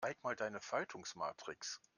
Zeig mal deine Faltungsmatrix.